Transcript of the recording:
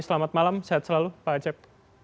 selamat malam sehat selalu pak acep